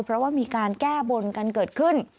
เพราะว่ามีการแก้บนกันเกิดขึ้น